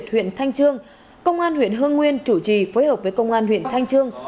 huyện thanh trương công an huyện hương nguyên chủ trì phối hợp với công an huyện thanh trương